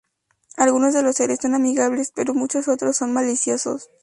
Algunos de los seres son amigables, pero muchos otros son maliciosos.